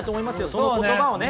その言葉をね。